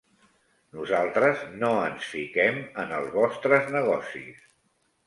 Nosaltres no ens fiquem en els vostres negocis.